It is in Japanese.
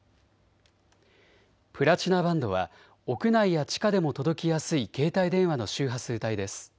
プラチナバンドは屋内や地下でも届きやすい携帯電話の周波数帯です。